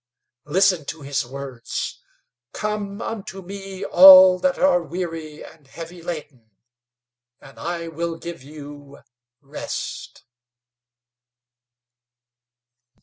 Listen to His words: 'Come unto me all that are weary and heavy laden, and I will give you rest.'"